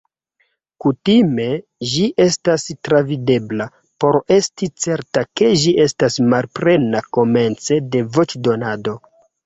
Kutime ĝi estas travidebla por esti certa ke ĝi estas malplena komence de voĉdonado.